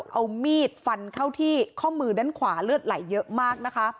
เอามีดฟันเข้าที่ข้อมือด้านขวาเลือดไหลเยอะมากนะคะ